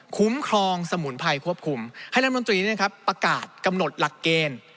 คุ้มครองสมุนไพรควบคุมให้รัฐมนตรีประกาศกำหนดหลักเกณฑ์